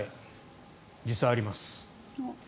実際、あります。